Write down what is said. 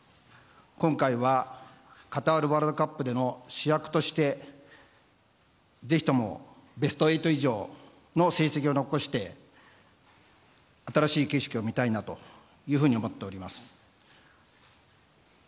今回はカタールワールドカップでの主役として、ぜひともベスト８以上の成績を残して新しい景色を見たいというふうに思っております。